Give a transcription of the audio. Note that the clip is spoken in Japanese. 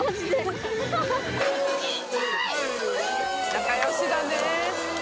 仲良しだね。